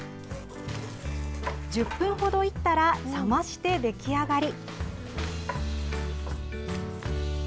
１０分ほどいったら、冷まして出来上がり。